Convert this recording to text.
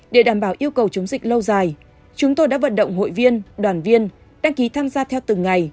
để đảm bảo yêu cầu chống dịch lâu dài chúng tôi đã vận động hội viên đoàn viên đăng ký tham gia theo từng ngày